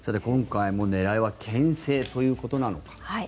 今回も狙いはけん制ということなのか。